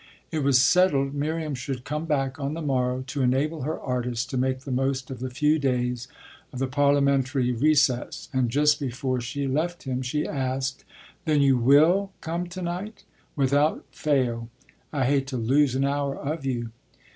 It was settled Miriam should come back on the morrow, to enable her artist to make the most of the few days of the parliamentary recess; and just before she left him she asked: "Then you will come to night?" "Without fail. I hate to lose an hour of you."